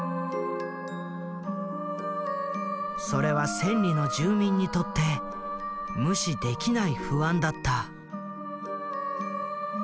それは千里の住民にとって無視できない不安だった。